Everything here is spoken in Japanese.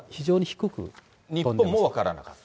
日本も分からなかった？